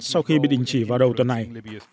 sau khi bị đình chỉ vào đầu tuần này